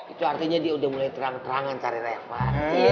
itu artinya dia udah mulai terang terangan cari reva